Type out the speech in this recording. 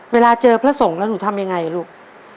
เวลาเจอพระสงฆ์แล้วหนูทำยังไงลูก